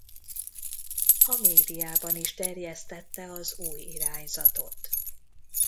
A médiában is terjesztette az új irányzatot.